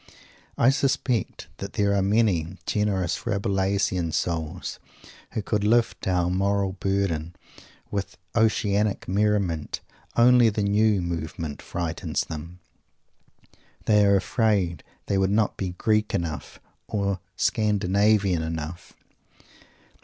I suspect that there are many generous Rabelaisian souls who could lift our mortal burden with oceanic merriment, only the New Movement frightens them. They are afraid they would not be "Greek" enough or "Scandinavian" enough.